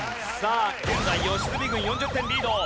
現在良純軍４０点リード。